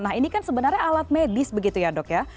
nah ini kan sebenarnya alat medis begitu ya dok ya